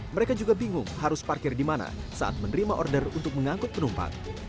mereka juga bingung harus parkir di mana saat menerima order untuk mengangkut penumpang